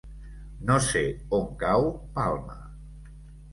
No sé on cau Palma.